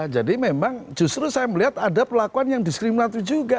jadi memang justru saya melihat ada pelakuan yang diskriminasi juga